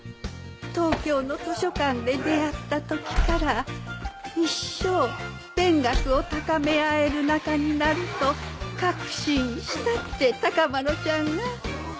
東京の図書館で出会った時から一生勉学を高め合える仲になると確信したって孝麿ちゃんが。